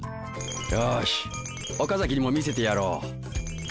よし岡崎にも見せてやろう。